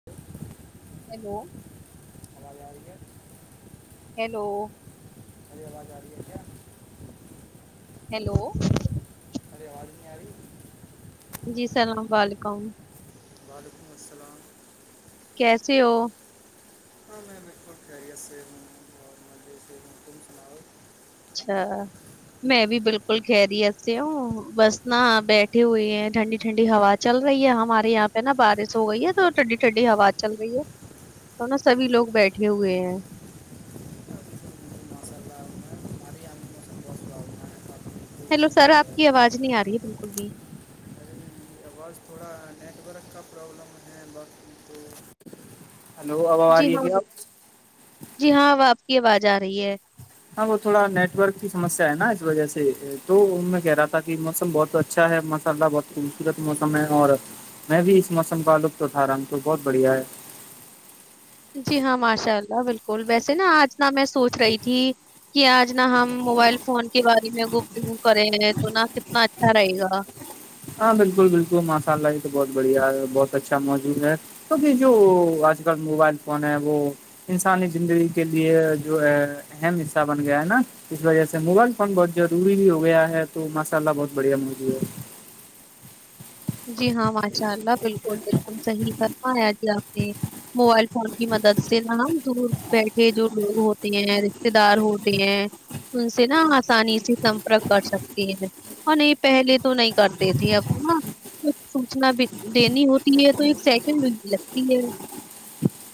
[inaudible] [inaudible] Hello آواز آ رہی ہے ہیلو ارری آواز آ رہی ہے کیا ہیلو ارے آواز نہی آرہی جی سسلام و ععلیکم وعلیکم السلام کیسے ہو ہاں میں بلکل خیریت سے ہوں اور مزے سے ہوں تم سناؤ اچھا میں بھی بلکل خیریت سے ہوں بس نا بیٹھے ہوئی ہیں ٹھنڈی ٹھنڈی ہوا چل رہی ہے ہمارے یہاں پہ نا بارش ہو گئی ہے تو ٹھنڈی ٹھنڈی ہوا چل رہی ہے تو نا سبھی لوگ بیٹھے ہوئے ہیں ماشاء اللہ میں ہمارے یہاں بھی موسم بہت سہاونا ہے کافی ہیلو سر خوبصورت آپ ہے کی آواز نہیں تو آ رہی ہے بلکل بھی ارے آواز تھوڑا نیٹورک کا پروبلم ہے باقی تو ہلو اب آ جی رہی ہے ہاں کیا آپ؟ بلکل جی ہاں اب آپ کی آواز آ رہی ہے ہاں وہ تھوڑا نیٹ ورک کی سمسیا ہے نا اس وجہ سے تو میں کہہ رہا تھا کہ موسم بہت سا ہے ماشاءاللہ بہت خوبصورت موسم ہے اور میں بھی اس موسم کا لطف اٹھا رہا ہوں تو بہت بڑھیا ہے جی ہاں ماشاء اللہ بلکل ویسے نا آج نہ میں سوچ رہی تھی کہ آج نہ ہم موبائل فون کے بارے میں گفتگو کرے ہیں تو نہ کتنا اچھا رہے گا ہاں بالکل بلکل ماشاء اللہ یہ تو بہت بڑھیا ہے بہت اچھا موجوع ہے ابھی جو آج کل موبائل فون ہے وہ انسانی زندگی کے لیے جو ہے اہم حصہ بن گیا ہے نا اس وجہ سے موبائل فون بہت ضروری بھی ہو گیا ہے تو ماشاء اللہ بہت بڑھیا موجوع ہے جی ہاں ماشاء اللہ بلکل بلکل صحیح فرمایا جی آپ نے موبائل فون کی مدد سے نا دور بیٹھے جو لوگ ہوتے ہیں رشتے دار ہوتے ہیں ان سے نا آسانی سے سمپرک کر سکتی ہے ہاں نہیں پہلے تو نہیں کرتے تھی اب کو نا کچھ سوچنا بھی دینی ہوتی ہے تو ایک سیکنڈ بھی نہی لگتی ہے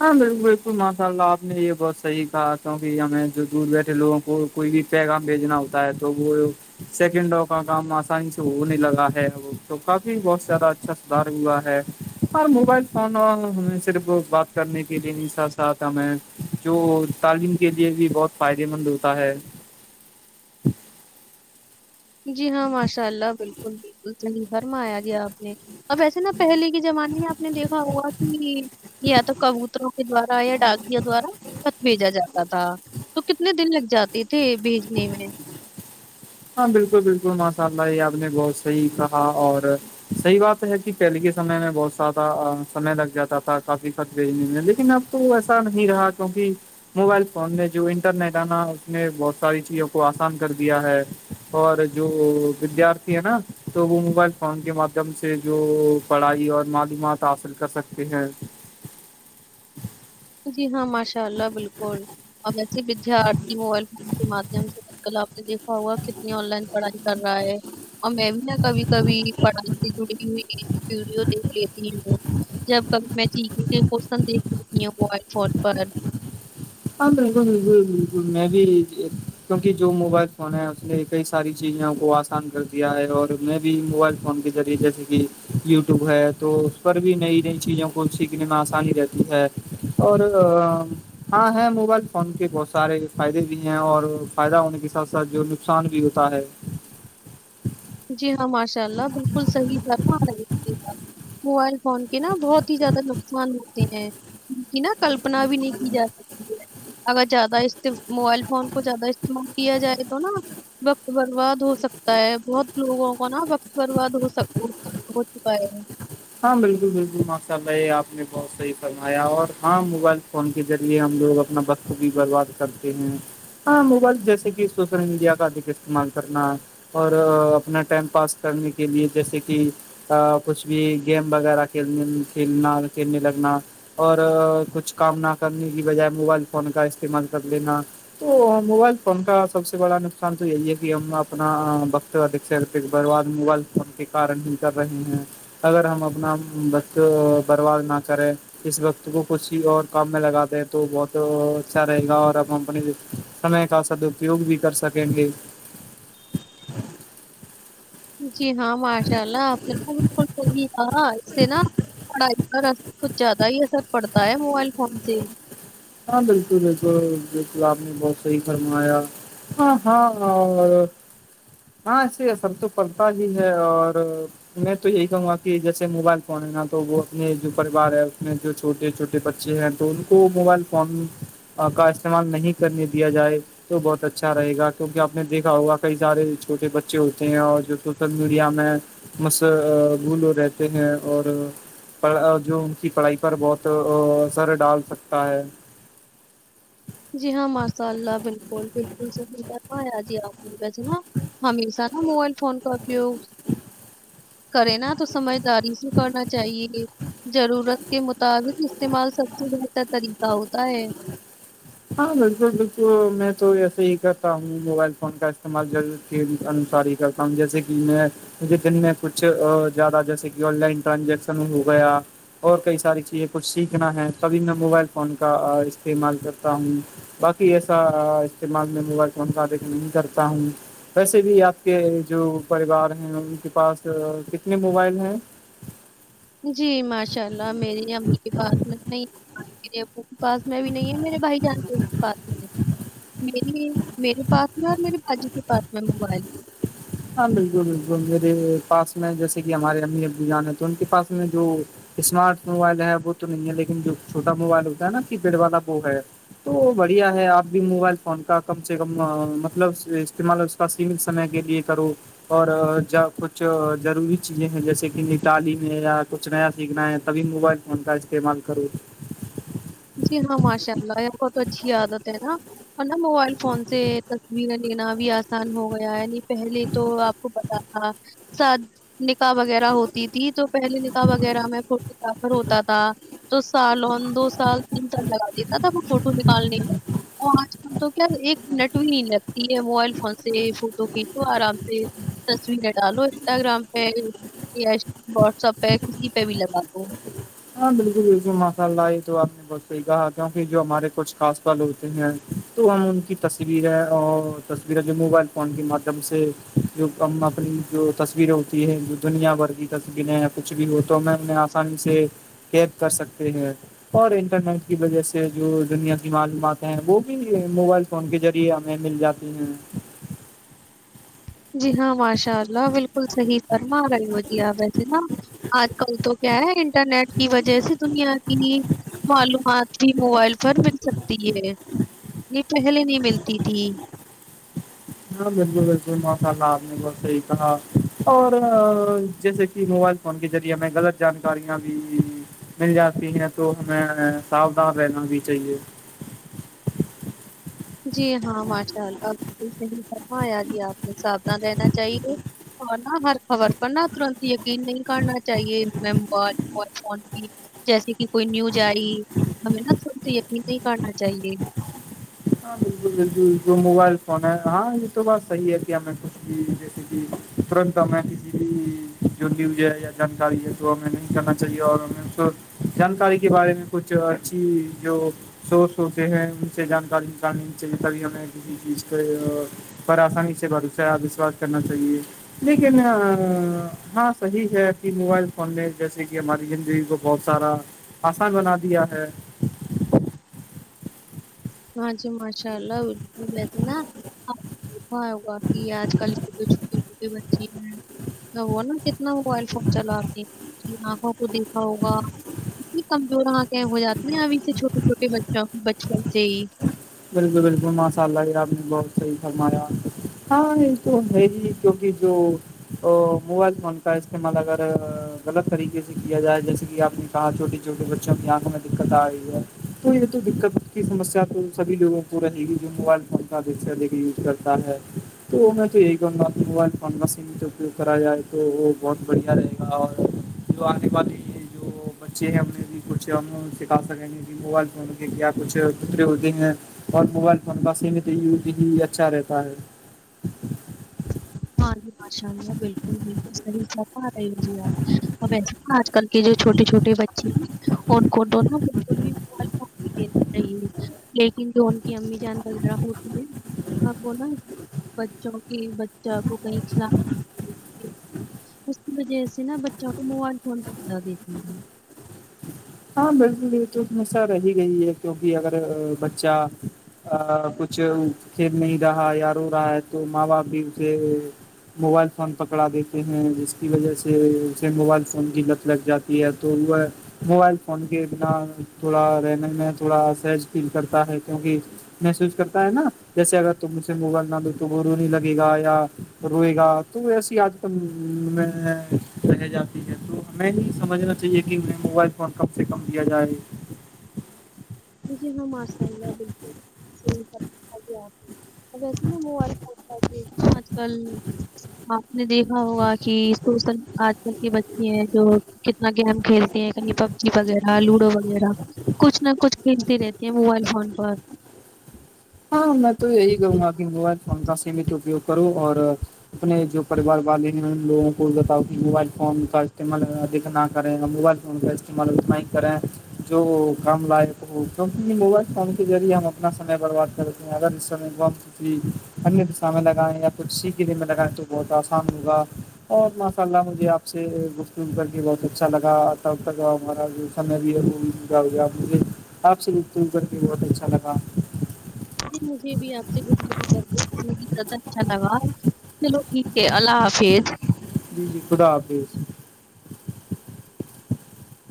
ہاں بلکل بلکل ماشاء اللہ آپ نے یہ بہت صحیح کہا کیوں کہ ہمیں جو دور بیٹھے لوگوں کو کوئی بھی پیغام بھیجنا ہوتا ہے تو وہ سیکنڈوں کا کام آسانی سے ہونے لگا ہے تو کافی بہت زیادہ اچھا سدھار ہوا ہے اور موبائل فون و صرف بات [inaudible] کرنے کے لیے بھی ساتھ ساتھ ہمیں جو تعلیم کے لیے بھی بہت فائدے مند ہوتا ہے جی ہاں ماشاء اللہ بلکل بلکل صحیح فرمایا جی آپ نے اب ویسے نا پہلے کے جمانے میں آپ نے دیکھا ہوا کہ یا تو کبوتروں کے دوارا یا ڈاکیوں دوارا خط بھیجا جاتا تھا تو کتنے دن لگ جاتے تھی بھیجنے میں ہاں بلکل بلکل ماشاء اللہ یہ آپ نے بہت صحیح کہا اور صحیح بات ہے کہ پہلے کے سمے میں بہت سیادہ سمے لگ جاتا تھا کافی س نہیں لیکن اب تو ایسا نہیں رہا کیونکہ [inaudible] موبائل فون نے جو انٹرنیٹ ہےنا اس نے بہت ساری چیزوں کو آسان کر دیا ہے اور جو ودارتھی ہے نا تو وہ موبائل فون کے مادھیم سے جو پڑھائی اور معلومات حاصل کر سکتے ہیں جی ہاں ماشاء اللہ بلکل ایسے ودارتھی موبائل فون کے مادھیم سے آج کل آپ نے دیکھا ہوا کتنی آن لائن پڑھائی کر رہا ہے اور میں بھی نا کبھی کبھی پڑھائی سے جڑی ہوئی ویڈیو دیکھ لیتی ہوں جب کبھی میں چ کےن دیکھ لیتی ہوںائل فون پر [inaudible] ہاں بلکل بلکل بلکل میں بھی کیونکہ جو موبائل فون ہے اس کئی ساری چیزوں کو آسان کر دیا ہے اور میں بھی موبائل فون کے ذریعے جیسے کہ یوٹیوب ہے تو اس پر بھی نئی نئی چیزوں کو سیکھنے میں آسانی رہتی ہے اور ہاں ہے موبائل فون کے بہت سارے فائدے بھی ہیں اور فائدہ ہونے کے ساتھ ساتھ جو نقصان بھی ہوتا ہے جی ہاں ماشاء اللہ بالکل صحیح تھا [inaudible] موبائل فون کے نا بہت ہی زیادہ نقصان ہوتے ہیں کی نا کلپنا بھی نہیں کی جا سکتی اگر جیادہ است موبائل فون کو جیادہ استعمال کیا جائے تو نا وقت برباد ہو سکتا ہے بہت لوگوں کو نا وقت برباد ہوک ہو چکا ہے [inaudible] ہاں بلکل بلکل ماشاء اللہ یہ آپ نے بہت صحیح فرمایا اور ہاں موبائل فون کے ذریعے ہم لوگ اپنا بخت بھی برباد کرتے ہیں ہاں موبائل جیسے کہ سوشل میڈیا کا ادیھک استعمال کرنا اور اپنا ٹائم پاس کرنے کے لیے جیسے کہ کچھ بھی گیم وغیرہ کھیلنے کھیلنا کھیلنے لگنا اور کچھ کام نہ کرنے کی بجائے موبائل فون کا استعمال کر لینا تو موبائل فون کا سب سے بڑا نقصان تو یہی ہے کہ ہم اپنا بخ تو ادک سے ادک برباد موبائل فون کے کارن ہی کر رہے ہیں اگر ہم اپنا بخت برباد نا کریں اس وقت کو کچھ ہی اور کام میں لگاتے ہیں تو بہت اچھا رہے گا اور اب اپنی سمے کا سداپیوگ بھی کر سکیں گے جی ہاں ماشاء اللہ آپ نے بلکل صحیح ہاں اس سے نا پڑھائی کا ر کچھ زیادہ ہی اثر پڑتا ہے موبائل فون سے [inaudible] ہاں بالکل بالکل بالکل آپ نے بہت صحیح فرمایا [inaudible] ہاں ہاں ہ [inaudible] ہاں ایسے اثر تو پڑتا ہی ہے اور میں تو یہی کہوں گا کہ جیسے موبائل فون ہے نا تو وہ اپنے جو پریوار ہے اس میں جو چھوٹے چھوٹے بچے ہیں تو ان کو موبائل فون کا استعمال نہیں کرنے دیا جائے تو بہت اچھا رہے گا کیونکہ آپ نے دیکھا ہوگا کئی سارے چھوٹے بچے ہوتے ہیں اور جو سوشل میڈیا میں مس بھول رہتے ہیں اور [inaudible] پڑ جو ان کی پڑھائی پر بہت اثر ڈال سکتا ہے جی ہاں ماشاء اللہ بلکل بلکل سہی آجی آس نا ہمیشہ نا موبائل فون کا اپیگ [inaudible] کرے نا تو سمجھداری سے کرنا چاہیے جرورت کے مطابق استعمال سب سے بہتر طریقہ ہوتا ہے ہاں بلکل بلکل میں تو ایسے ہی کرتا ہوں موبائل فون کا استعمال کے انسار ہی کرتا ہوں جیسے کہ میں [inaudible] مجھے دن میں کچھ زیادہ جیسے کہ آن لائن ٹرانجیکشن ہو گیا اور کئی ساری چیزیں کچھ سیکھنا ہے تبھی میں موبائل فون کا استعمال کر ہوں باقی ایسا استعمال میں موبائل فوندے نہیں کرتا ہوں [inaudible] ویسے بھی آپ کے جو پریوار ہیں ان کے پاس کتنے موبائل ہیں جی ماشاء اللہ میری امی کی بات نہیں [inaudible] میرے ابو کے پاس میں بھی نہیں ہے میرے بھائی جان کے پاس میں میری میرے پاس میں اور میرے باجی کے پاس میں موبائل ہاں بلکل بلکل میرے پاس میں جیسے کہ ہمارے امی ابو جان ہے تو ان کے پاس میں جو اسمارٹ موبائل ہے وہ تو نہیں ہے لیکن جو چھوٹا موبائل ہوتا ہے نا کیپیڑ والا وہ ہے تو بڑھیا ہے آپ بھی موبائل فون کا کم سے کم مطلب استعمال اس کا سیمت سمے کے لیے کرو اور ج کچھ ضروری چیزیں ہیں جیسے کہ نکالی میں یا کچھ نیا سیکھنا ہے تبھی موبائل فون کا استعمال کرو جی ہاں ماشاء اللہ یہ بہت اچھی عادت ہے نا نا موبائل فون سے تصویریں لینا بھی آسان ہو گیا یعنی پہلے تو آپ کو پتا تھا س نکاح وغیرہ ہوتی تھی تو پہلے نکاح وغیرہ میں فوٹو گرافر ہوتا تھا تو سال اور دو سال تین سال لگا دیتا تھا وہ فوٹو نکالنے کا اور آج کل تو کیا ایک منٹ بھی نہیں لگتی ہے موبائل فون سے فوٹو کھینچو آرام سے تصویریں ڈالو انسٹاگرام پہ یا واٹسپ پہ کسی پہ بھی لگا دوو ہاں بلکل بلکل ماشاء اللہ یہ تو آپ نے بہت صحیح کہا کیونکہ جو ہمارے کچھ خاص پل ہوتے ہیں تو ہم ان کی تصویریں اور تصویریں جو موبائل فون کے مادھیم سے جو کم اپنی جو تصویریں ہوتی ہے جو دنیا بھر کی تصویریں یا کچھ بھی ہو تو میںپ انی سے کیید کر سکتے ہیں [inaudible] اور انٹرنیٹ کی وجہ سے جو دنیا کی معلومات ہیں وہ بھی موبائل فون کے ذریعے ہمیں مل جاتی ہیں جی ہاں ماشاء اللہ بالکل صحیح فرما رہے ہو جی آپ ویسے نا آج کل تو کیا ہے انٹرنیٹ کی وجہ سے دنیا کی ہی معلومات بھی موبائل پر مل سکتی ہے یہ پہلے نہیں ملتی تھی ہاں بلکل بلکل ماشاء اللہ آپ نے بہت صحیح کہا اور جیسے کہ موبائل فون کے ذریعے ہمیں غلط جانکاریاں بھی مل جاتی ہیں تو ہمیں ساؤدان رہنا بھی چاہیے جی ہاں ماشاء اللہ بلکل صحیح فرمایا جی آپ نے ساودھان رہنا چاہیے اور نا ہر خبر پر نا ترنت یقین نہیں کرنا چاہیے میں موبائل فون فون کی جیسے کہ کوئی نیوج آئی ہمیں نا ترنت یقین نہیں کرنا چاہیے ہاں بالکل بالکل جو موبائل فون ہے ہاں یہ تو بات صحیح ہے کہ ہمیں کچھ بھی جیسے کہ ترنت ہمیں کسی بھی جو نیوز ہے یا جانکاری ہے تو ہمیں نہیں کرنا چاہیے اور ہمیں اس کو جانکاری کے بارے میں کچھ اچھی جو سو سوچے ہیں ان سے جانکاریک چے کر ہمیں کسی چیز کے پر آسانی سے بادوسہ وشواس کرنا چاہیے لیکن ہاں صحیح ہے کہ موبائل فون نے جیسے کہ ہماری زندگی کو بہت سارا آسا بنا دیا ہے ہاں جی ماشاء اللہتے نا ہوگا کہ آج کل کے تو چھوٹے چھوٹے بچے ہیں وہ نا کتنا موبائل فون چلا آے کہ آنکھوں کو دیکھا ہوگا اتنی کمزوراں کے ہو جاتی ہیں ابھی سے چھوٹے چھوٹے بچوں بچوں سے ہی بالکل بالکل ماسء اللہ یہ رب نے بہت صح فرمایا ہاں یہ تو ہے ہی کیونکہ جو تو موبائل فون کا استعمال اگر غلط طریقے سے کیا جائے جیسے کہ آپ نے کہاں چھوٹی چھوٹی بچوں کی آنکھوں میں دقت آ رہی ہے تو یہ تو دقت کی سمیا تو سبھی لوگوں کو رہے گی جو موبائل فون کا دے کے یوز کرتا ہے [inaudible] [inaudible] تو بچے ہیں ہم پھر بھی کچھ ہم سکھا سکیں گے کہ موبائل فون کے کیا کچھ اور موبائل فون کا سیمتری یوز اچھا رہتا ہے ہاں جی ماشاء اللہ بلکل بلکل صحیح فرمارہے جی آپ ہمسے آج کل کے جو چھوٹے چھوٹے بچے ہیں ان کو دونوں بلکل بھی صحیح لیکن جو ان کی امی جان وغیرہ ہوتی ہے [inaudible] اس کی وجہ سے نا بچوں کو موبائل فون پر [inaudible] ہاں بلکل بلکل ہمیشہ رہ گئی ہے کیونکہ اگر بچہ کچھ کھیل نہیں رہا یا رو رہا ہے تو ماں باپ بھی اسے موبائل فون پکڑا دیتے ہیں جس کی وجہ سے اسے موبائل فون کی لت لگ جا یی ہے تو وہ موبائل ان کے بنا تھوڑا رہنے میں تھوڑا سہج فیل کرتا ہے کیونکہ محسوس کرتا ہے نا جیسے اگر تم اسے موبائل نہ دو تو وہ رونے لگے گا یا روئے گا تو ایسی آج میں رہ جاتی ہے تو ہمیں نہیں سمجھنا چاہیے کہ میں موبائل فون کم سے کم دیا جائے جی ہاں ماشاء اللہ بلکل [inaudible] آپ نے دیکھا ہوگا کہ سوشل آج کل کے بچے ہیں جو نا گیم کھیلتے ہیں کہیں پر جی وغیرہ لوڈو وغیرہ کچھ نہ کچھ کھیلتے رہتے ہیں موبائل فون پر ہاں میں تو یہی کہوں گا کہ موبائل فون کا سیمت اپیوگ کرو اور اپنے جو پریوار والے ہیں ان لوگ بتاؤ کہ موبائل فون کا استعمال ادک نا کریں موبائل فون کا استعمال اتنا ہی کریں جو کام لائق ہو کیونکہ یہ موبائل فون کے ذریعے ہم اپنا سمے برباد کرتے ہیں اگر اس سمے کو ہم کسی انکسا میں لگائیں یا کچھ سیکھنے میں لگائیں تو بہت آسان ہوگا اور ماشاء اللہ مجھے آپ سے گفتگو کر کے بہت اچھا لگاتا اور تب تک آپ سے گفتگو کرکے بہت اچھا لگا [inaudible] جی مجھے بھی آپ سے گفتگو کرکے بہت زیادہ اچھا لگا چلو ٹھیک ہے اللہ حافظ جی جی خدا حافظ